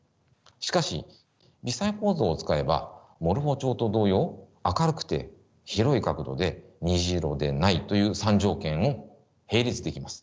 しかし微細構造を使えばモルフォチョウと同様明るくて広い角度で虹色でないという３条件を並立できます。